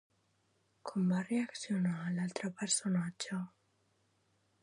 Com va reaccionar l'altre personatge?